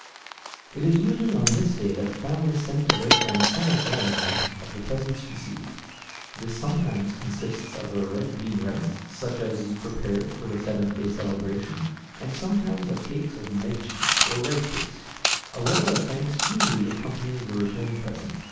It is usually on this day that the family send to their friends some acknowledgment of the presents received. This sometimes consists of the red bean rice, such as is prepared for the seventh day celebration, and sometimes of cakes of mochi, or rice paste. A letter of thanks usually accompanies the return present.